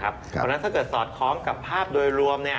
เพราะฉะนั้นถ้าเกิดสอดคล้องกับภาพโดยรวม